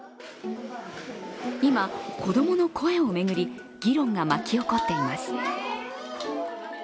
今、子供の声を巡り議論が巻き起こっています。